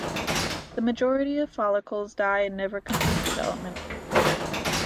The majority of follicles die and never complete development.